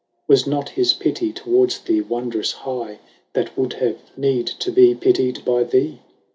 10 Was not his pity towards thee wondrous high, That would have need to be pittied by thee?